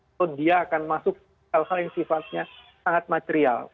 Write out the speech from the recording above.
atau dia akan masuk hal hal yang sifatnya sangat material